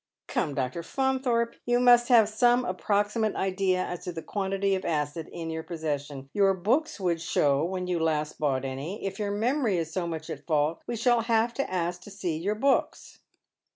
"Come, Dr. Faunthorpe, you must have some approximate idea as to the quantity of acid in your possession. Your books would show you when you last bought any. If your memory is BO much at fault we shall have to ask to see your books."